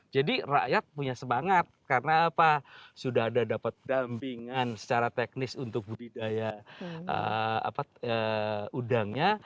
jadi rakyat punya semangat karena apa sudah ada dapat dampingan secara teknis untuk budidaya udangnya